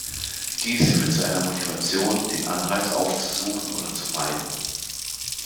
Dies führt zu einer Motivation, den Anreiz aufzusuchen oder zu meiden.